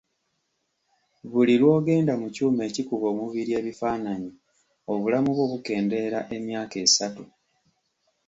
Buli lw'ogenda mu kyuma ekikuba omubiri ebifaananyi obulamu bwo bukendeera emyaka essatu.